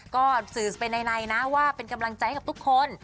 ก็สื่อเป็นในนะว่าเป็นกำลังใจให้กับทุกคน